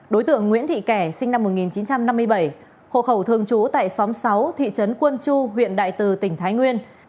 đối tượng nguyễn thị kẻ sinh năm một nghìn chín trăm năm mươi bảy hộ khẩu thường trú tại xóm sáu thị trấn quân chu huyện đại từ tỉnh thái nguyên